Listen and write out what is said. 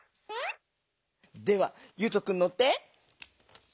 ではゆうとくんのって。